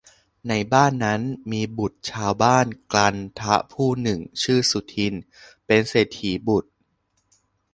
ในบ้านนั้นมีบุตรชาวบ้านกลันทะผู้หนึ่ง ชื่อ สุทินน์ เป็นเศรษฐีบุตร